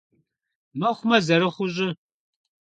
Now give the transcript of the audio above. Мыхъумэ зэрыхъуу щӏы.